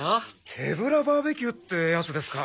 手ぶらバーべキューってやつですか。